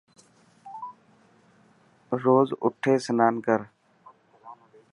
روز اوٺي سنان ڪر.